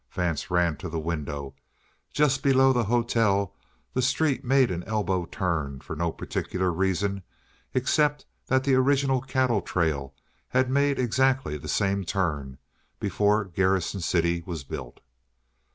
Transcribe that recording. Vance ran to the window. Just below the hotel the street made an elbow turn for no particular reason except that the original cattle trail had made exactly the same turn before Garrison City was built.